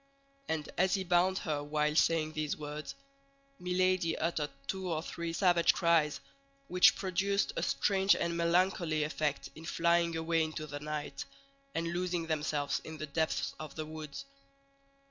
And as he bound her while saying these words, Milady uttered two or three savage cries, which produced a strange and melancholy effect in flying away into the night, and losing themselves in the depths of the woods.